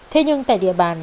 thế nhưng tại địa bàn